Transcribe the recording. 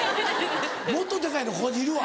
もっとデカいのここにいるわ。